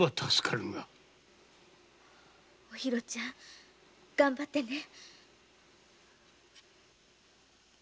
おひろちゃんがんばってね。